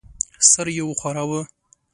سر یې وښوراوه.